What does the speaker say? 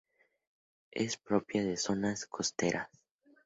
Es propia de zonas costeras.